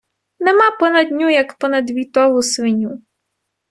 Нема понад ню, як понад війтову свиню.